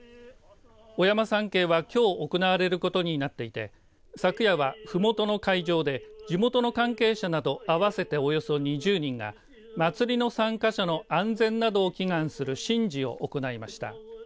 お山参詣はきょう行われることになっていて昨夜は、ふもとの会場で地元の関係者など合わせて、およそ２０人が祭りの参加者の安全などを祈願する神事を行いました。